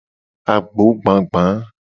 Agogbagba.